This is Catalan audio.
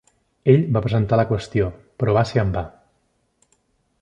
Ell va presentar la qüestió, però va ser en va.